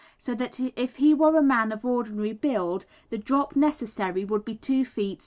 so that if he were a man of ordinary build the drop necessary would be 2 ft.